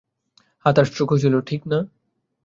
হ্যাঁ, তার স্ট্রোক হয়েছিল, ঠিক না?